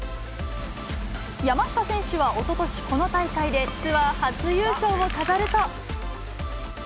山下選手はおととし、この大会でツアー初優勝を飾ると。